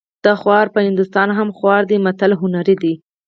د خوار په هندوستان هم خوار دی متل هنري دی